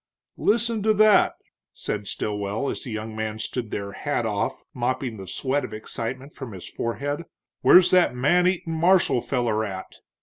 "Listen to that!" said Stilwell, as the young man stood there hat off, mopping the sweat of excitement from his forehead. "Where's that man eatin' marshal feller at?"